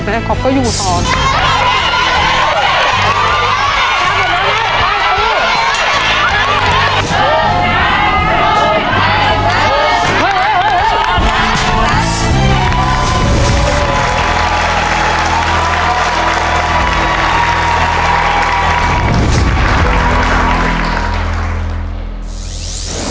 แม่ก๊อปก็อยู่ซ้อน